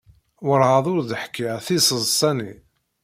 Werɛad ur d-ḥkiɣ tiseḍsa-nni.